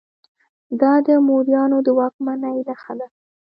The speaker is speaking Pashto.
دا د موریانو د واکمنۍ نښه ده